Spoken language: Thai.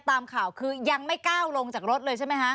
ตามข่าวคือยังไม่ก้าวลงจากรถเลยใช่ไหมคะ